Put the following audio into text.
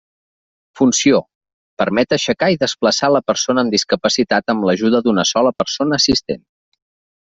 Funció: permet aixecar i desplaçar la persona amb discapacitat amb l'ajuda d'una sola persona assistent.